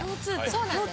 そうなんです。